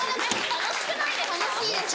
楽しくないですか。